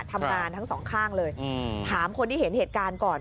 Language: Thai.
ทำงานทั้งสองข้างเลยถามคนที่เห็นเหตุการณ์ก่อน